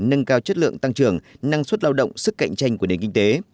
nâng cao chất lượng tăng trưởng năng suất lao động sức cạnh tranh của nền kinh tế